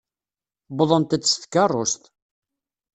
Uwḍent-d s tkeṛṛust.